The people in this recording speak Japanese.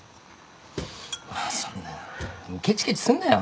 まあそんなケチケチすんなよ。